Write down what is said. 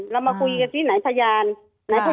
คุณครูก็อยู่ที่บ้านก็งงอยู่